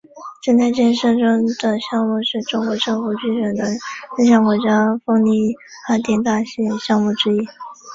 正在建设中的项目是中国政府批准的六项国家风力发电大型项目之一。